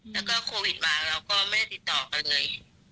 แล้วก็โควิดมาเราก็ไม่ได้ติดต่อกันเลย